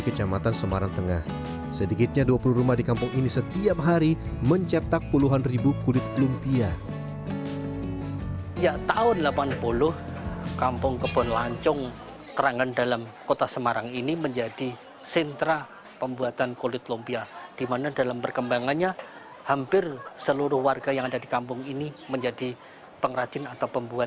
kecamatan semarang tengah sedikitnya dua puluh rumah di kampung ini setiap hari mencetak puluhan ribu